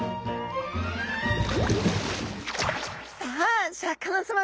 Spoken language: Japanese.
さあシャーク香音さま